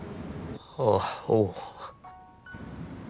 あっおう。